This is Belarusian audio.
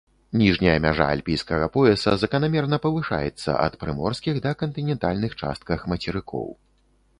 Ніжняя мяжа альпійскага пояса заканамерна павышаецца ад прыморскіх да кантынентальных частках мацерыкоў.